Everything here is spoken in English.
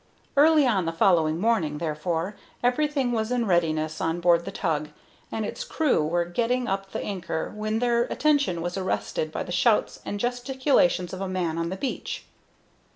Early on the following morning, therefore, everything was in readiness on board the tug, and its crew were getting up the anchor when their attention was arrested by the shouts and gesticulations of a man on the beach.